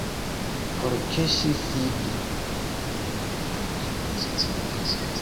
Por ke ŝi sidu.